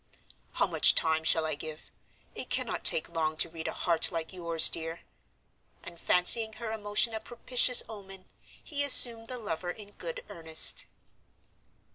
"How much time shall I give? It cannot take long to read a heart like yours, dear." And fancying her emotion a propitious omen, he assumed the lover in good earnest.